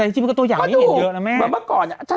แต่ทีชมก็ตัวอย่างนี้เห็นเยอะเนาะแม่